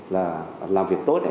là làm việc tốt